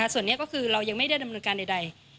ส่วนนี้ก็คือเรายังไม่ได้ดำเนินการใด